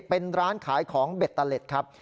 เป็นร้านขายของเบ็ดตะเล็ดครับ